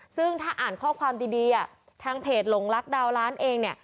ซึ่งถ้าอ่านข้อความดีทางเพจหลงลักดาวล้านเองเนี่ย